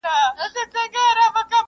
چي يې غړي تښتول د رستمانو،